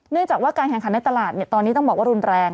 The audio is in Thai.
จากว่าการแข่งขันในตลาดตอนนี้ต้องบอกว่ารุนแรง